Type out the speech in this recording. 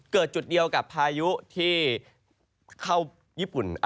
จุดเดียวกับพายุที่เข้าญี่ปุ่น